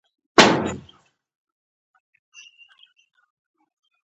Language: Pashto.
موبايل يې وترنګېد له ها خوا غږ راغی.